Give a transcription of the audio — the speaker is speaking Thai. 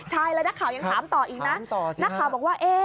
ใช่แล้วนักข่าวยังถามต่ออีกนะนักข่าวบอกว่า